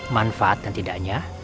manfaat dan tidaknya